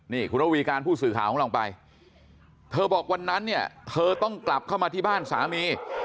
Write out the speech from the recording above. นี่คุณระวีการผู้สื่อข่าวของเราไปเธอบอกวันนั้นเนี่ยเธอต้องกลับเข้ามาที่บ้านสามี